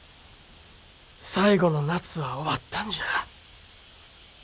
最後の夏は終わったんじゃ。